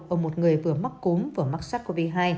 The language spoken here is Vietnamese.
ở một người vừa mắc cúm vừa mắc sars cov hai